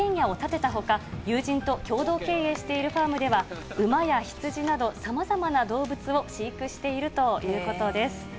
北海道で一軒家を建てたほか、友人と共同経営しているファームでは、馬や羊など、さまざまな動物を飼育しているということです。